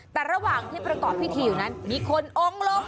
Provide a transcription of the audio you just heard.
แต่ระหว่างที่ประกอบพิธีอยู่นั้นมีคนองค์ลง